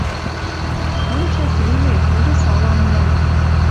Кым чӓс веле — уже салам нӓл.